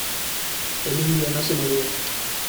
el indio no se movió.